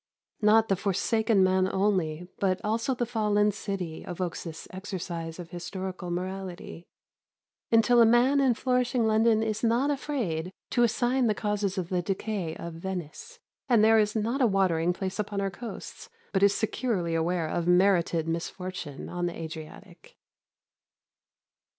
Not the forsaken man only but also the fallen city evokes this exercise of historical morality, until a man in flourishing London is not afraid to assign the causes of the decay of Venice; and there is not a watering place upon our coasts but is securely aware of merited misfortune on the Adriatic.